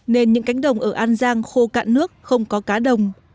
nên những cánh đồng ở an giang khô cạn nước không có cá đồng